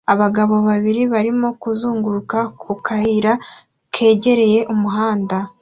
Abagabo babiri barimo kuzunguruka ku kayira kegereye umuhanda